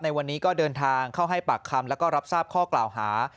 ในวันนี้ก็เดินทางเข้าให้ปากคำแล้วก็รับทราบข้อกล่าวหา